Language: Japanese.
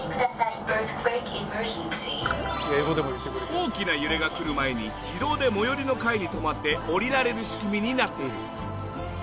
大きな揺れが来る前に自動で最寄りの階に止まって降りられる仕組みになっている。